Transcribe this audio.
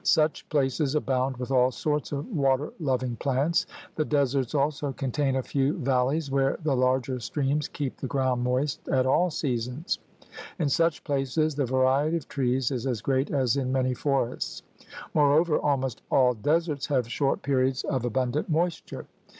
Such places abound with all sorts of water loving plants. The deserts also contain a few valleys where the larger streams keep the ground moist at all seasons. In such places the variety of trees is as great as in many forests. Moreover almost all deserts have short periods of abundant moisture.